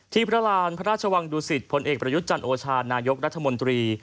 พระราณพระราชวังดุสิตพลเอกประยุทธ์จันโอชานายกรัฐมนตรี